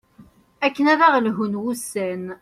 akken ad aɣ-d-lhun wussan